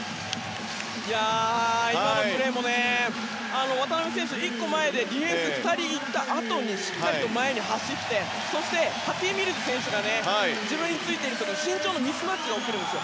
今のプレーも渡邊選手、１個前でディフェンス２人いったあとにしっかりと前に走ってそして、パティ・ミルズ選手が自分についている人と身長のミスマッチが起こるんです